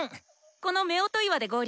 この夫婦岩で合流ね。